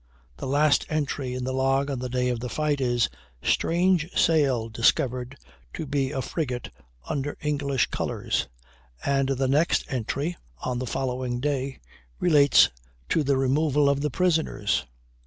The last entry in the log on the day of the fight is "strange sail discovered to be a frigate under English colors," and the next entry (on the following day) relates to the removal of the prisoners.